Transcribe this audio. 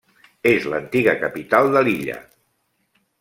És l'antiga capital de l'illa.